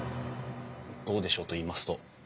どうでしょうといいますと？